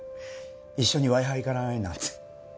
一緒にワイハ行かない？なんて。